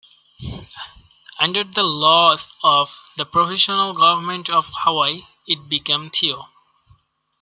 Under the laws of the Provisional Government of Hawaii, it became Theo.